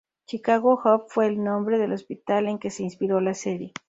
Chicago Hope fue el nombre del hospital en que se inspiró la serie.